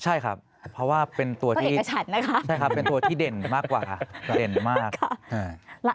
ใช่ครับเพราะว่าเป็นตัวที่เด่นมากกว่าค่ะ